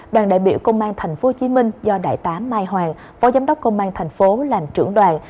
đoàn đại biểu công an tp hcm do đại tá mai hoàng phó giám đốc công an thành phố làm trưởng đoàn